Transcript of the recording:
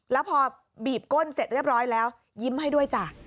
แล้วพอบีบก้นเสร็จเรียบร้อยแล้วยิ้มให้ด้วยจ้ะ